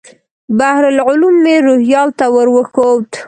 بحر العلوم مې روهیال ته ور وښود.